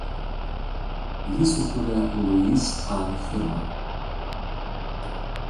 Jį sukūrė Louis Kahn firma.